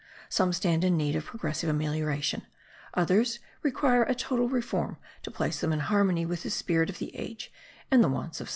Some stand in need of progressive amelioration, others require a total reform to place them in harmony with the spirit of the age and the wants of society.